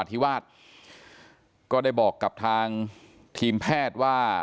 ดังปนุกที่วาดก็ได้บอกกับทางทีมแพทย์ว่า